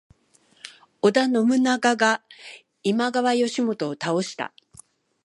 織田信長が今川義元を倒した。